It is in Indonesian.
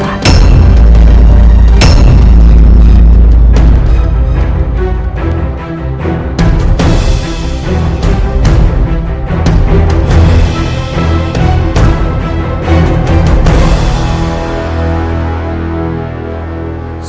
jangan jangan lupa aku